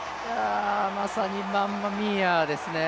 まさにマンマミーアですね。